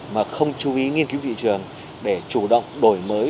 mà không chú ý nghiên cứu thị trường để chủ động đổi mới